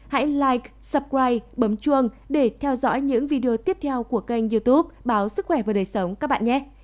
hãy live supride bấm chuông để theo dõi những video tiếp theo của kênh youtube báo sức khỏe và đời sống các bạn nhé